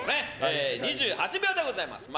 ２８秒でございます。